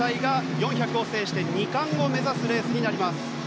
４００を制して２冠を目指すレースです。